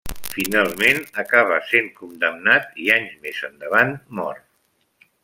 Finalment acaba sent condemnat i anys més endavant mor.